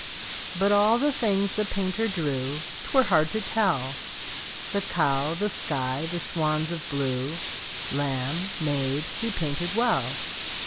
But all the things the painter drew 'Twere hard to tell The cow, the sky, the swans of blue, Lamb, maid, he painted well.